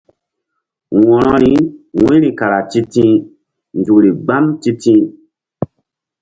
Wo̧rori wu̧yri kara ti̧ti̧h nzukri mgbam ti̧ti̧h.